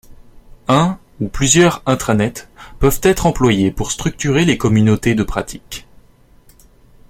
Un ou plusieurs intranets peuvent être employés pour structurer les communautés de pratique.